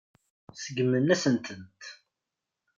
Seggmen-asent-tent.